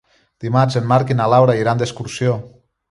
Dimarts en Marc i na Laura iran d'excursió.